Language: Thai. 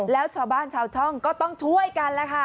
แล้วชาวบ้านชาวช่องก็ต้องช่วยกันแล้วค่ะ